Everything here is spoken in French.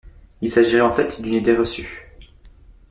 Il s'agirait en fait d'une idée reçue.